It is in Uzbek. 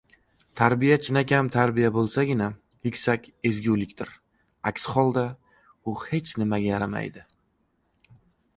Tarbiya chinakam tarbiya bo‘lsagina yuksak ezgulikdir, aks holda, u hech nimaga yaramaydi.